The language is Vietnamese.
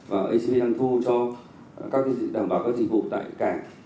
và acv đang thu cho đảm bảo các dịch vụ tại cảng